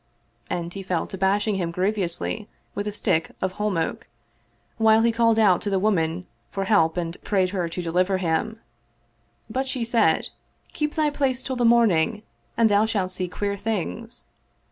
And he fell to bashing him grievously with a stick of holm oak, while he called out to the woman for help and prayed her to deliver him: but she said, "Keep thy place till the morning, and thou shalt see queer things."